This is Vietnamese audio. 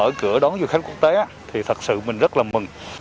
ở cửa đón du khách quốc tế thì thật sự mình rất là mừng